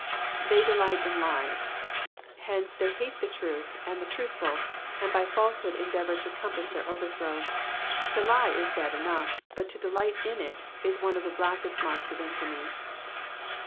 *'They delight in lies ;^^ hence they hate the truth and the truthful, and by falsehood endeavour to compass their overthrow. To lie is bad enough, but to delight in it is one of the blackest marks of infamy.